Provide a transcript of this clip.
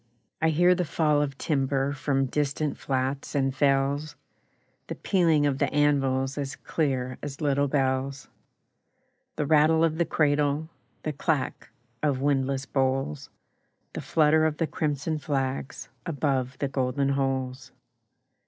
I hear the fall of timber From distant flats and fells, The pealing of the anvils As clear as little bells, The rattle of the cradle, The clack of windlass boles, The flutter of the crimson flags Above the golden holes.